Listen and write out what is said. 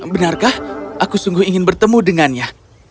benarkah aku sungguh ingin bertemu dengannya